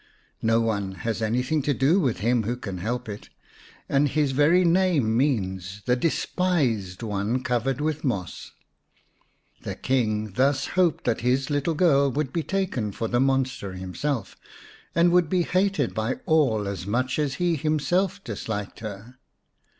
No one has anything to do with him who can help it, and his very name means " the Despised One covered with Moss." The King thus hoped that his little girl would be taken for the monster himself, and would be hated by all as much as he himself disliked her.